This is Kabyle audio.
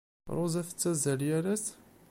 Ṛuza tettazzal yal ass?